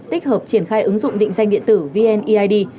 tích hợp triển khai ứng dụng định danh điện tử vneid